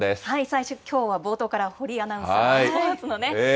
最初、きょうは冒頭から堀アナウンサー、スポーツのね。